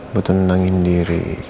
butuh nenangin diri